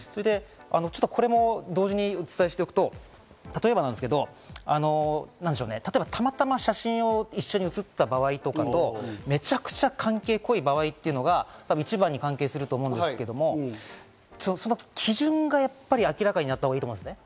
これも同時にお伝えしておくと、例えばですけど、たまたま一緒に写真に写った場合とかと、めちゃくちゃ関係が濃い場合、一番に関係すると思うんですが、その基準がやっぱり明らかになったほうがいいと思います。